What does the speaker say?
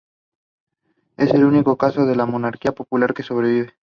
Es el único caso de monarquía popular que sobrevive.